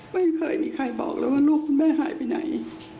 ไม่เคยมีใครบอกเลยว่าลูกคุณแม่หายไปไหน